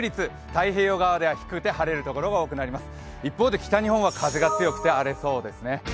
太平洋側では低くて晴れるところが多くなります。